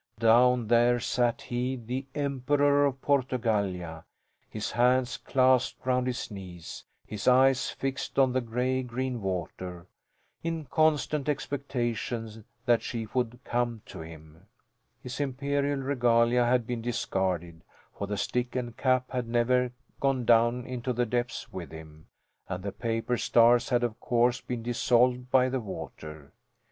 Down there sat he, the Emperor of Portugallia, his hands clasped round his knees, his eyes fixed on the gray green water in constant expectation that she would come to him. His imperial regalia had been discarded, for the stick and cap had never gone down into the depths with him, and the paper stars had of course been dissolved by the water.